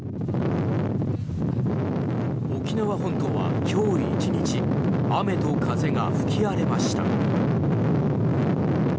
沖縄本島は今日１日雨と風が吹き荒れました。